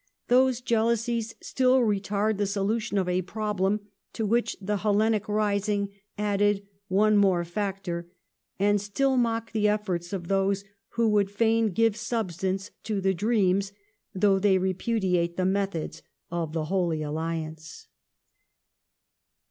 Those jealousies still retard the solution of a problem to which the Hellenic rising added one more factor, and still mock the efforts of those who would fain give substance to the dreams, though they repud iate the methods of the Holy Alliance.